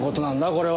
これは。